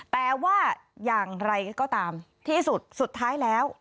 แต่ว่าอย่างไรก็ตามที่สุดสุดท้ายแล้ว